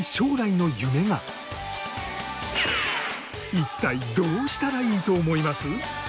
一体どうしたらいいと思います？